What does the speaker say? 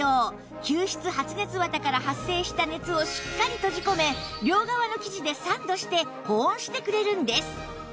吸湿発熱綿から発生した熱をしっかり閉じ込め両側の生地でサンドして保温してくれるんです